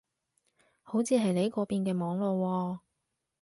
好似係你嗰邊嘅網絡喎